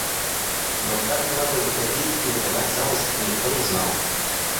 Но как надо выходить и выдавать замуж, никто не знал.